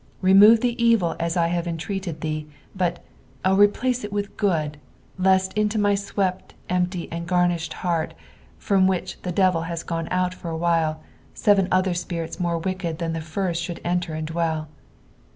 Remove the evil as I have entreated thee ; but, 0 replace it with good, lest into my swept, empty, aud KfRiished heart, from which the devil has gone out far a while, seven other spirits more wicked than the first should enter and dwell.